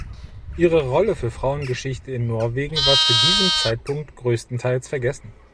Ihre Rolle für Frauengeschichte in Norwegen war zu diesem Zeitpunkt größtenteils vergessen.